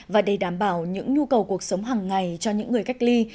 và để đảm bảo những nhu cầu cuộc sống hàng ngày cho những người cách ly